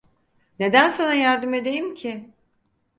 Neden sana yardım edeyim ki?